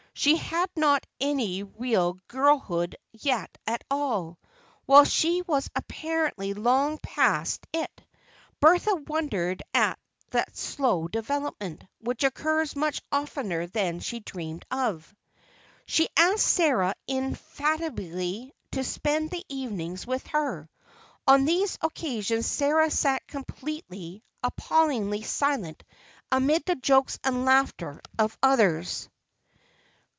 She had not had any real girlhood yet at all, while she was apparently long past it. Bertha wondered at that slow development, which occurs much oftener than she dreamed of. She asked Sarah indefatigably to spend the evenings with her. On these occasions Sarah sat completely, appallingly silent amid the jokes and laughter of the others.